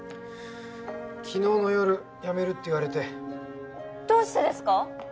昨日の夜辞めるって言われてどうしてですか！？